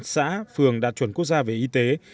một trăm linh xã phường đạt chuẩn quốc gia về y tế